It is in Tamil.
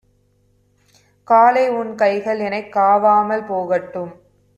காளைஉன் கைகள்எனைக் காவாமல் போகட்டும்